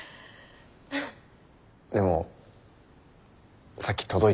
フフ！でもさっき届いた。